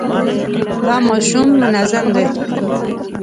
دا ماشوم منظم دی.